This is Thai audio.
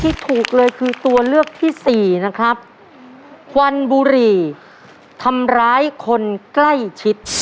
ที่ถูกเลยคือตัวเลือกที่สี่นะครับควันบุหรี่ทำร้ายคนใกล้ชิด